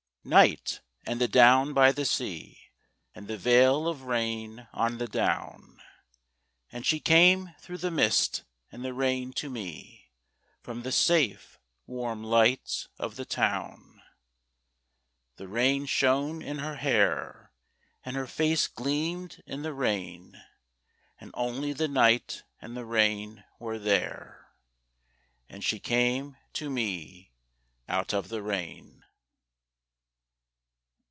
NIGHT, and the down by the sea, And the veil of rain on the down; And she came through the mist and the rain to me From the safe warm lights of the town. The rain shone in her hair, And her face gleamed in the rain; And only the night and the rain were there As she came to me out of the rain.